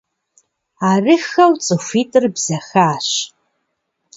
Арыххэу цӀыхуитӏыр бзэхащ.